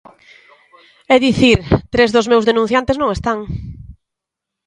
É dicir, tres dos meus denunciantes non están.